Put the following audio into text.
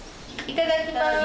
いただきます。